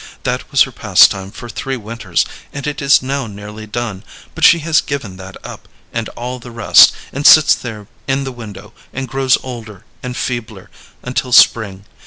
That was her pastime for three winters, and it is now nearly done; but she has given that up, and all the rest, and sits there in the window and grows older and feebler until spring.